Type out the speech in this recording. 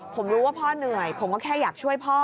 ผมรู้ว่าพ่อเหนื่อยผมก็แค่อยากช่วยพ่อ